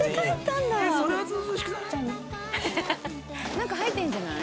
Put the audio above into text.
「なんか入ってるんじゃない？」